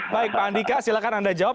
baik pak andika silahkan anda jawab